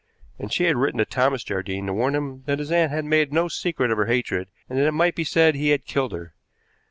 And she had written to Thomas Jardine to warn him that his aunt had made no secret of her hatred, and that it might be said he had killed her.